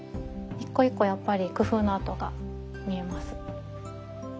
一個一個やっぱり工夫の跡が見えます。